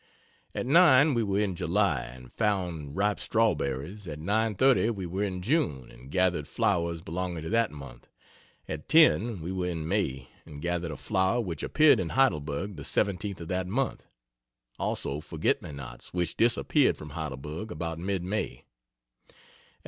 At 9 we were in July and found ripe strawberries; at 9.30 we were in June and gathered flowers belonging to that month; at 10 we were in May and gathered a flower which appeared in Heidelberg the 17th of that month; also forget me nots, which disappeared from Heidelberg about mid May; at 11.